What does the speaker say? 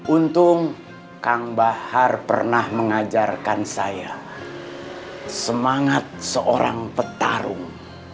untung kang bahar pernah mengajarkan saya semangat seorang petarung